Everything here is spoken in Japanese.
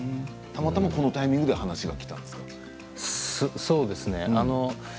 たまたまそのタイミングで話がきたんですか？